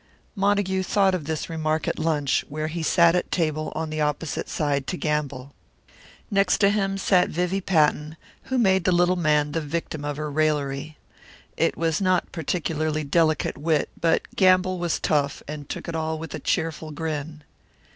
Montague thought of this remark at lunch, where he sat at table on the opposite side to Gamble. Next to him sat Vivie Fatten, who made the little man the victim of her raillery. It was not particularly delicate wit, but Gamble was tough, and took it all with a cheerful grin.